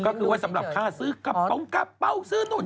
ก็คือว่าสำหรับข้าซื้อกับปองใครมาดูเนี่ย